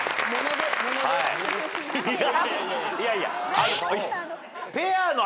いやいや。